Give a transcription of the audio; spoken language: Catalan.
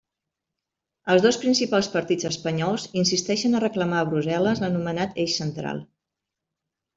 Els dos principals partits espanyols insisteixen a reclamar a Brussel·les l'anomenat eix central.